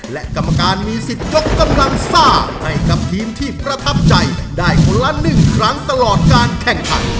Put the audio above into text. และกรรมการมีสิทธิ์ยกกำลังซ่าให้กับทีมที่ประทับใจได้คนละ๑ครั้งตลอดการแข่งขัน